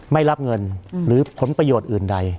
ไม่รับเงินหรือผลประโยชน์อื่นใด